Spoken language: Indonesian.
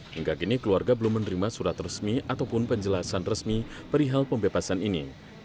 hingga kini keluarga belum menerima surat resmi ataupun penjelasan resmi perihal pembebasan ini